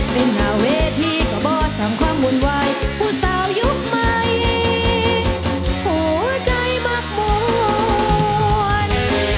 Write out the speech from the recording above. เป็นหน้าเวที่ก็บอสทำความหุ่นวายผู้สาวยุคใหม่หัวใจบักหม่อน